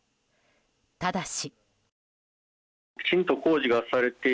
ただし。